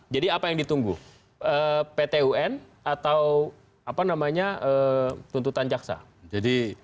jadi apa yang ditunggu pt un atau apa namanya tuntutan caksa